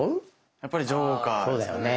やっぱりジョーカーですかね？